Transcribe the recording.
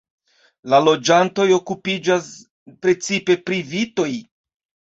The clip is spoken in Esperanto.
La loĝantoj okupiĝas precipe pri vitoj.